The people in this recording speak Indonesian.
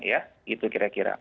ya gitu kira kira